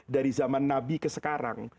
dari zaman nabi ke sekarang